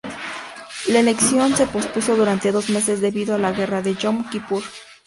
La elección se pospuso durante dos meses debido a la guerra de Yom Kippur.